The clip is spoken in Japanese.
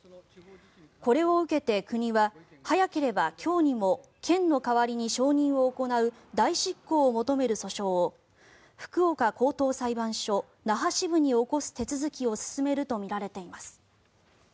これを受けて国は早ければ今日にも県の代わりに承認を行う代執行を求める訴訟を福岡高等裁判所那覇支部に起こす手続きを進めるとみられています。